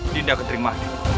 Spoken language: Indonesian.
dindak akan terima